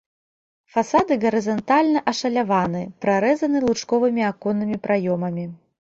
Фасады гарызантальна ашаляваны, прарэзаны лучковымі аконнымі праёмамі.